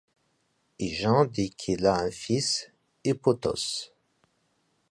Hygin dit qu'il a un fils, Hippothoos.